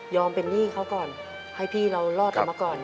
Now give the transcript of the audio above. เป็นหนี้เขาก่อนให้พี่เรารอดออกมาก่อน